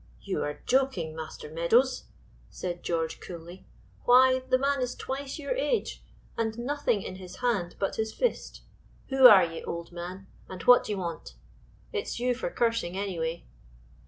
"You are joking, Master Meadows," said George coolly. "Why the man is twice your age, and nothing in his hand but his fist. Who are ye, old man, and what d'ye want? It's you for cursing, anyway."